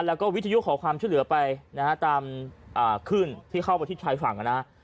แล้วก็วิทยุขอความช่วยเหลือไปนะฮะตามขึ้นที่เข้าไปที่ชายฝั่งนะฮะ